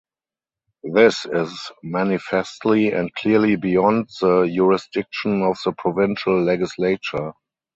This is manifestly and clearly beyond the jurisdiction of the provincial legislature.